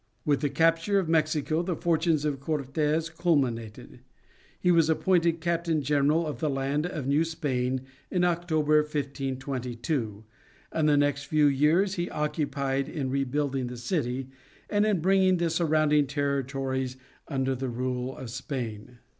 With the capture of Mexico the fortunes of Cortes culminated. He was appointed Captain General of the land of New Spain in October, 1522, and the next few years he occupied in rebuilding the city, and in bringing the surrounding territories under the rule of Spain.